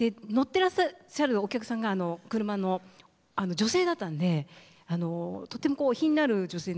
てらっしゃるお客さんが俥の女性だったんでとってもこう品のある女性